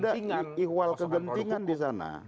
iya makanya tidak ada ihwal kegentingan di sana